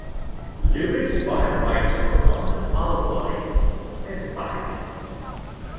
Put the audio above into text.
Lyrics by writer unless otherwise specified.